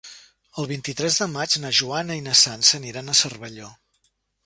El vint-i-tres de maig na Joana i na Sança aniran a Cervelló.